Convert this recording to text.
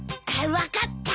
分かった。